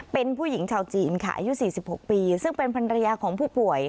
เป็นผู้หญิงชาวจีนค่ะอายุ๔๖ปีซึ่งเป็นภรรยาของผู้ป่วย